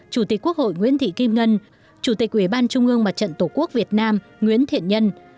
chủ tịch quốc hội nguyễn thị kim ngân chủ tịch ủy ban trung ương mặt trận tổ quốc việt nam nguyễn thiện nhân